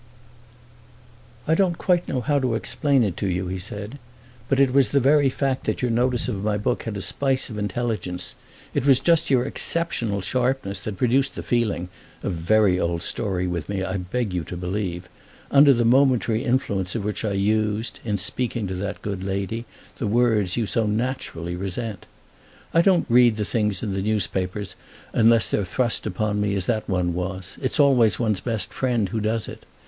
"I DON'T quite know how to explain it to you," he said, "but it was the very fact that your notice of my book had a spice of intelligence, it was just your exceptional sharpness, that produced the feeling—a very old story with me, I beg you to believe—under the momentary influence of which I used in speaking to that good lady the words you so naturally resent. I don't read the things in the newspapers unless they're thrust upon me as that one was—it's always one's best friend who does it!